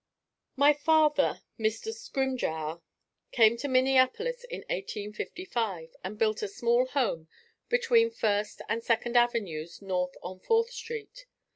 My father, Mr. Scrimgeour, came to Minneapolis in 1855 and built a small home between First and Second Avenues North on Fourth Street.